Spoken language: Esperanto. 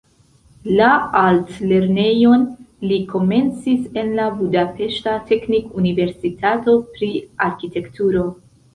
La altlernejon li komencis en la budapeŝta teknikuniversitato pri arkitekturo.